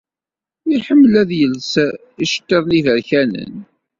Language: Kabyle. Iḥemmel ad iles iceṭṭiḍen iberkanen